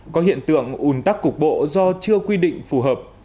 có hiện tượng ủn tắc cục bộ do chưa quy định phù hợp